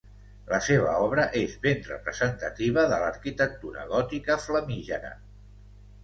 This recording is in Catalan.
La seva obra és ben representativa de l'arquitectura gòtica flamígera.